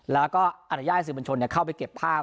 แล้วก็อนุญาตให้สื่อบัญชนเข้าไปเก็บภาพ